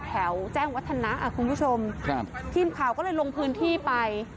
แถวแจ้งวัฒนะคุณผู้ชมครับทีมข่าวก็เลยลงพื้นที่ไป